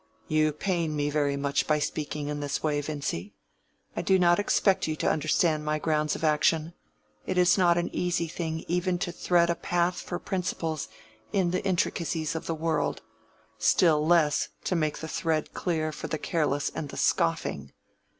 "You pain me very much by speaking in this way, Vincy. I do not expect you to understand my grounds of action—it is not an easy thing even to thread a path for principles in the intricacies of the world—still less to make the thread clear for the careless and the scoffing.